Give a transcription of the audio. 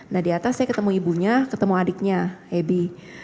nah di atas saya ketemu ibunya ketemu adiknya ebi